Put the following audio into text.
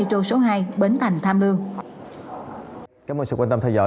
rất là rõ ràng